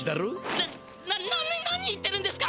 なっ何言ってるんですか！